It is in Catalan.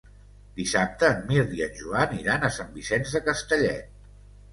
Dissabte en Mirt i en Joan iran a Sant Vicenç de Castellet.